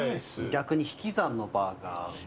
逆に引き算のバーガー。